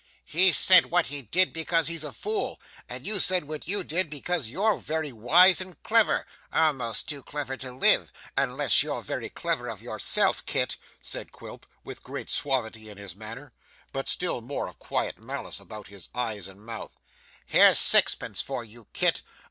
'He said what he did because he's a fool, and you said what you did because you're very wise and clever almost too clever to live, unless you're very careful of yourself, Kit.' said Quilp, with great suavity in his manner, but still more of quiet malice about his eyes and mouth. 'Here's sixpence for you, Kit.